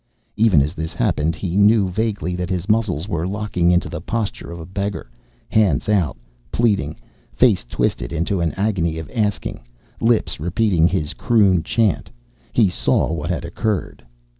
Even as this happened, as he knew vaguely that his muscles were locking into the posture of a beggar, hands out, pleading, face twisted into an agony of asking, lips repeating his croon chant, he saw what had occurred.